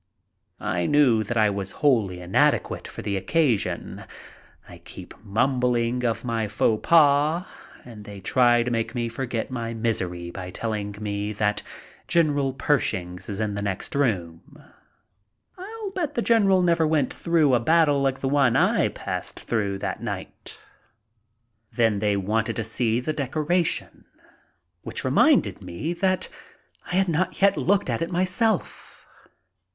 I knew that I was wholly inadequate for the occasion. I keep mumbling of my faux pas and they try to make me forget my misery by telling me that General Pershing is in the next room. FAREWELLS TO PARIS AND LONDON 137 I'll bet the general never went through a battle like the one I passed through that night. Then they wanted to see the decoration, which reminded me that I had not yet looked at it myself.